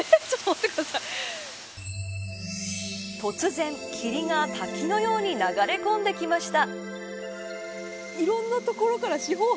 突然、霧が滝のように流れ込んできました。